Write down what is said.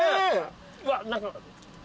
うわっ何か。